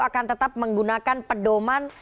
akan tetap menggunakan pedoman